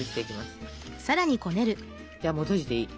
じゃあもう閉じていい。